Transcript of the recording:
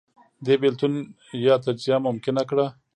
دې بېلتون یا تجزیه ممکنه کړه